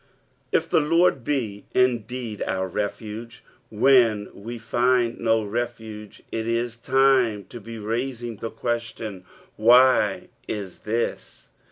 If the Lord be indeed our refuge, when we find no refuge, it is time to be raising the question, " Why is this